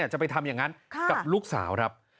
จะไปทำอย่างนั้นกับลูกสาวครับ